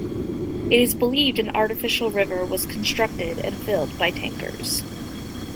It is believed an artificial river was constructed and filled by tankers.